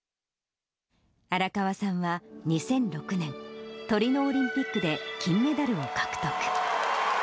荒川さんは、２００６年、トリノオリンピックで金メダルを獲得。